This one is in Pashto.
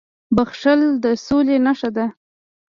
• بښل د سولي نښه ده.